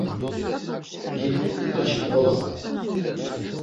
Ǩibri nenaşi nǩola on!